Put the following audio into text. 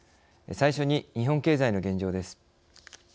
最初に日本経済の現状です。